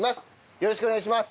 よろしくお願いします。